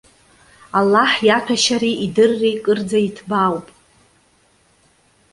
Аллаҳ иаҭәашьареи идырреи кырӡа иҭбаауп.